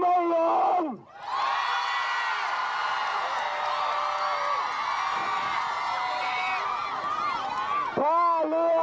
ไม่ใช่มาถีบเพื่อนออกจากเรือ